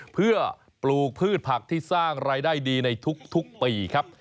เพื่อปลูกพืชผักที่สร้างรายได้ดีในทุกปีครับ